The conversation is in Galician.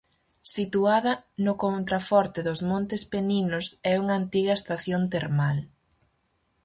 Situada no contraforte dos Montes Peninos, é unha antiga estación termal.